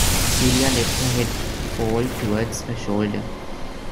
Celia let her head fall towards her shoulder.